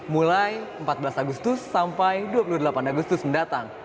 mulai empat belas agustus sampai dua puluh delapan agustus mendatang